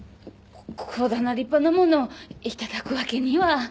ここだな立派なもの頂くわけには。